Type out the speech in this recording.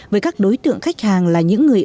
với các đối tượng khách hàng là những người